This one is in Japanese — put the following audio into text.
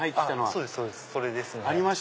そうですそれですね。